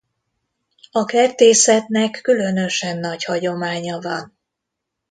A kertészetnek különösen nagy hagyománya van.